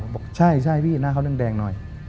บอกใช่พี่หน้าเขาแดงหน่อย